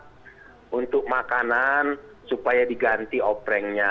untuk makanan supaya diganti oprengnya